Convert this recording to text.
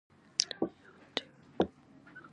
یهودیانو پرې نیوکې کولې.